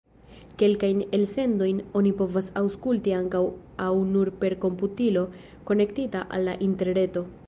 Kelkajn elsendojn oni povas aŭskulti ankaŭ aŭ nur per komputilo konektita al la interreto.